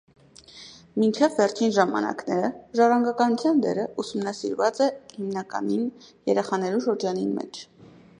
Մինչեւ վերջին ժամանակները ժառանգականութեան դերը ուսումնասիրուած է հիմնականին երեխաներու շրջանին մէջ։